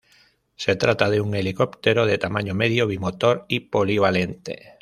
Se trata de un helicóptero de tamaño medio, bimotor y polivalente.